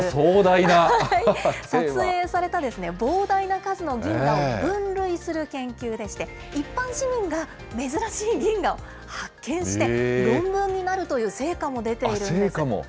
撮影された膨大な数の銀河を分類する研究でして、一般市民が珍しい銀河を発見して、論文になるという成果も出ているんです。